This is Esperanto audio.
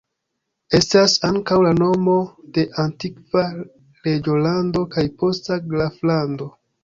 Estas ankaŭ la nomo de antikva reĝolando kaj posta graflando.